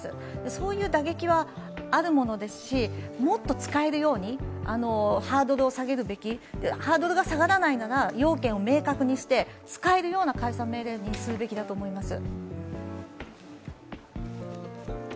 そういう打撃はあるものですし、もっと使えるようにハードルを下げるべき、ハードルが下がらないなら要件を明確にして、使えるような解散命令にするべきだと思います。